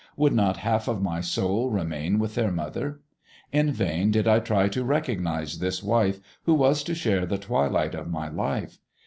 Would not half of my soul remain with their mother? In vain did I try to recognize this wife, who was to share the twilight of my life.